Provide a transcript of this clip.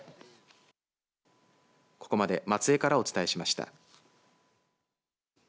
ここまで松江からお伝えしました。